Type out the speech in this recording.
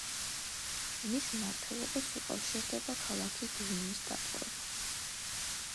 მის მმართველობას უკავშირდება ქალაქი დვინის დაპყრობა.